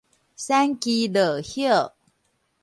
瘦枝落葉